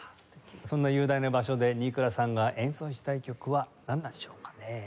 そんな雄大な場所で新倉さんが演奏したい曲はなんなんでしょうかねえ？